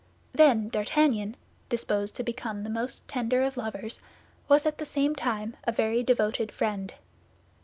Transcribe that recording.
Then D'Artagnan, disposed to become the most tender of lovers, was at the same time a very devoted friend.